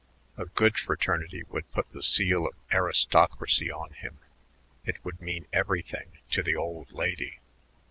A good fraternity would put the seal of aristocracy on him; it would mean everything to the "old lady."